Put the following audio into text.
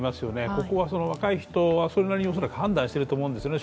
ここは若い人はそれなりに恐らく判断していると思うんですね。